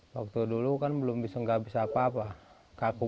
waktu dulu kan belum bisa nggak bisa apa apa kaku bener bener kaku dia